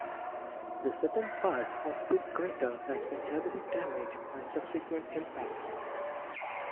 The southern part of this crater has been heavily damaged by subsequent impacts.